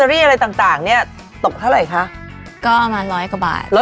ดีใจด้วยนะ